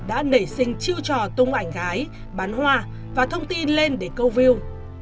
đã nảy sinh chiêu trò tung ảnh gái bán hoa và thông tin lên để câu view